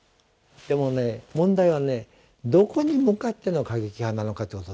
でも問題はねどこに向かっての過激派なのかということですよ。